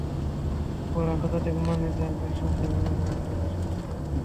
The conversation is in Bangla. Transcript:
পরে আন্তর্জাতিক মান নির্ধারণকারী সংস্থার মূল্যায়নের মাধ্যমে তাঁদের সনদ দেওয়া হবে।